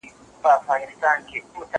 لويي يوازي له خداى سره ښايي.